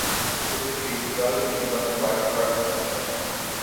এপ্রিলের শুরুতে বিরোধী দল নির্বাচন বয়কট করার সিদ্ধান্ত নেয়।